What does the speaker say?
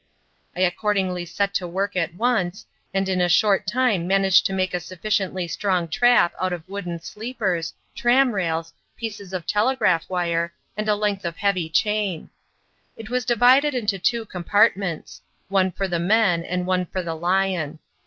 I accordingly set to work at once, and in a short time managed to make a sufficiently strong trap out of wooden sleepers, tram rails, pieces of telegraph wire, and a length of heavy chain. It was divided into two compartments one for the men and one for the lion.